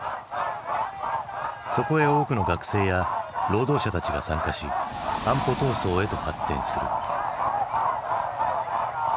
そこへ多くの学生や労働者たちが参加し安保闘争へと発展する。